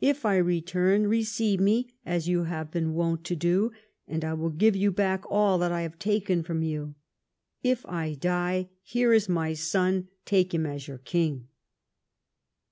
If I return, receive me as you have been wont to do, and I will give you back all that I have taken from you. If I die, here is my son, take him as your king."